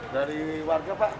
dari warga pak